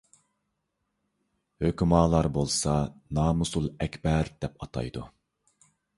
ھۆكۈمالار بولسا نامۇسۇل ئەكبەر دەپ ئاتايدۇ.